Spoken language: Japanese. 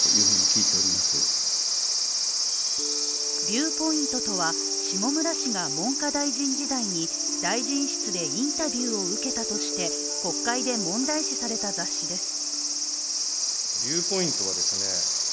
「ビューポイント」とは、下村氏が文科大臣時代に大臣室でインタビューを受けたとして国会で問題視された雑誌です。